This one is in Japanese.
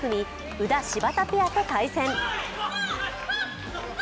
宇田・芝田ペアと対戦。